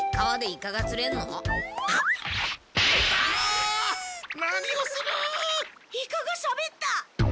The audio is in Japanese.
イカがしゃべった！